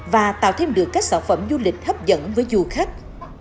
và tạo thêm được các sản phẩm du lịch hấp dẫn với du khách